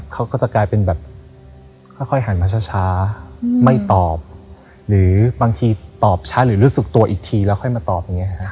เขาก็จะกลายเป็นแบบค่อยหันมาช้าไม่ตอบหรือบางทีตอบช้าหรือรู้สึกตัวอีกทีแล้วค่อยมาตอบอย่างนี้ฮะ